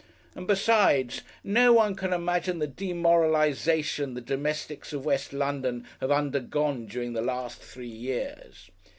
And, besides, no one could imagine the demoralisation the domestics of West London have undergone during the last three years."